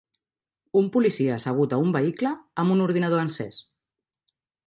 Un policia assegut a un vehicle amb un ordinador encès.